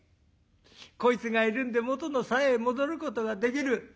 こいつがいるんで元のさやへ戻ることができる。